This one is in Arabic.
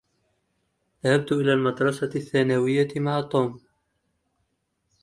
ذهبت إلى المدرسة الثانوية مع توم.